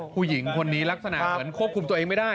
ผู้หญิงคนนี้ลักษณะเหมือนควบคุมตัวเองไม่ได้